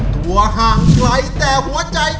ตัวห่างไกลแต่หัวใจ